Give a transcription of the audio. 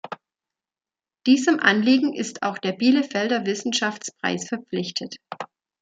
Diesem Anliegen ist auch der Bielefelder Wissenschaftspreis verpflichtet.